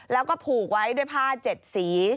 แล้วก็ผูกไว้ด้วยผ้า๗สี